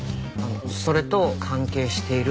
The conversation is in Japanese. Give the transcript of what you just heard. それと関係しているって事？